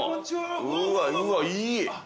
うわうわ、いい！